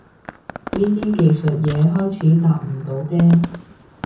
呢啲技術嘢開始搭唔到嗲